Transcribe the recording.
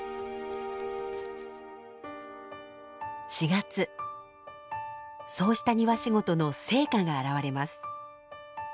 ４月そうした庭仕事の成果が現れます。